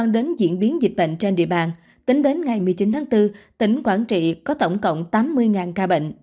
đến diễn biến dịch bệnh trên địa bàn tính đến ngày một mươi chín tháng bốn tỉnh quảng trị có tổng cộng tám mươi ca bệnh